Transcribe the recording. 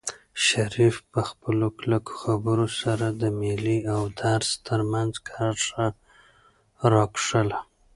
شریف په خپلو کلکو خبرو سره د مېلې او درس ترمنځ کرښه راښکله.